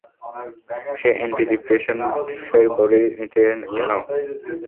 সে এন্টিডিপ্রেসেন্টসের বড়ি নিত কেন?